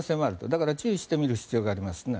だから注意して見る必要があります。